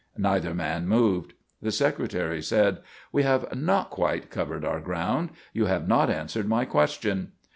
Neither man moved. The Secretary said: "We have not quite covered our ground. You have not answered my question."